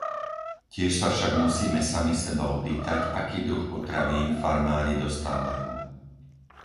Tiež sa však musíme sami seba opýtať, aký druh potravín farmári dostávajú?